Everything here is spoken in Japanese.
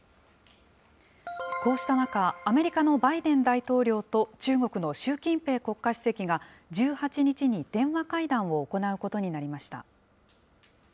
こうした中、あめりかのバイデン大統領と中国の習近平国家主席が、１８日に電話会談を行うことになりました。